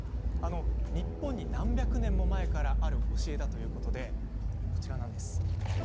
日本に何百年も前からある教えだということで、こちらです。